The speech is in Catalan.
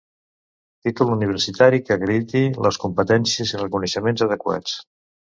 Títol universitari que acrediti les competències i coneixements adequats.